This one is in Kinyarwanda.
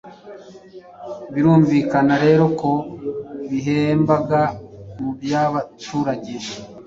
Birumvikana rero ko bihembaga mu by'abaturage.